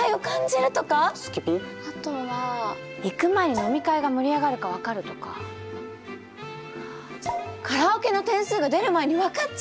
あとは「行く前に飲み会が盛り上がるか分かる」とか「カラオケの点数が出る前に分かっちゃう」とか！